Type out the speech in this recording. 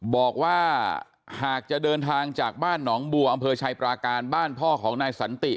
บอกว่าหากจะเดินทางจากบ้านหนองบัวอำเภอชัยปราการบ้านพ่อของนายสันติ